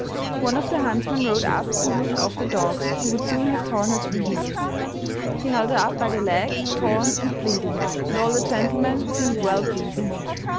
One of the huntsmen rode up and whipped off the dogs, who would soon have torn her to pieces. He held her up by the leg, torn and bleeding, and all the gentlemen seemed well pleased.